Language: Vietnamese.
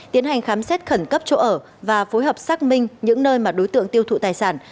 tiến hành khám xét khẩn cấp chỗ ở và phối hợp xác minh những nơi mà đối tượng tiêu thụ tài sản